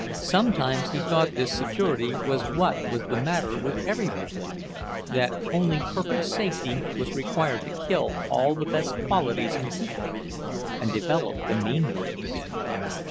Sometimes he thought this security was what was the matter with everybody; that only perfect safety was required to kill all the best qualities in people and develop the mean ones.